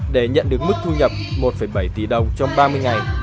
để nhận được mức thu nhập một bảy tỷ đồng trong ba mươi ngày